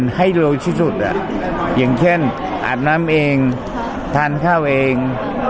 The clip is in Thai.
ให้เร็วที่สุดอย่างเช่นอาบน้ำเองทานข้าวเอง